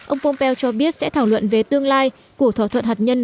ông pompeo cho biết sẽ thảo luận về tương lai của thỏa thuận hạt nhân